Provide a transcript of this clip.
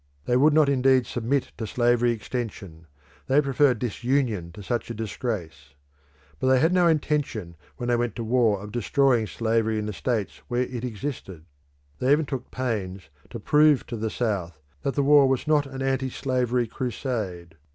They would not indeed submit to slavery extension; they preferred disunion to such a disgrace. But they had no intention when they went to war of destroying slavery in the states where it existed; they even took pains to prove to the South that the war was not an anti slavery crusade.